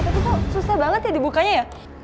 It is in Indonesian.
tapi kok susah banget ya dibukanya ya